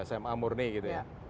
seperti saya dulu sma murni gitu ya